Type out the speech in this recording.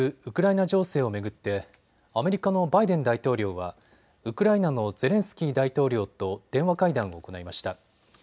ウクライナ情勢を巡ってアメリカのバイデン大統領はウクライナのゼレンスキー大統領と電話会談を行いました。